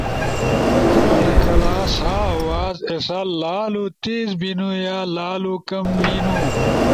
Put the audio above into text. کلہ نہ کلہ سا آواز ایسے لالو تیز بیںنپو یا لالو کم بینُو